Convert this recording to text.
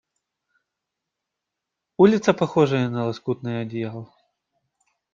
Улица похожа на лоскутное одеяло.